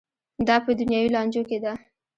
دا په دنیوي لانجو کې ده.